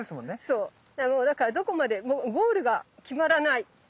そうもうだからどこまでもゴールが決まらない。